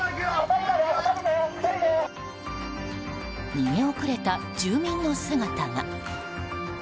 逃げ遅れた住民の姿が。